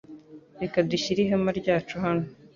Reka dushyire ihema ryacu hano.